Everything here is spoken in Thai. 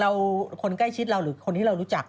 คนใกล้ชิดเราหรือคนที่เรารู้จัก